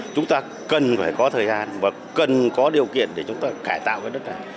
chúng ta cần phải có thời gian và cần có điều kiện để chúng ta cải tạo cái đất này